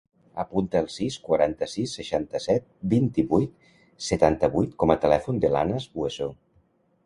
Apunta el sis, quaranta-sis, seixanta-set, vint-i-vuit, setanta-vuit com a telèfon de l'Anas Bueso.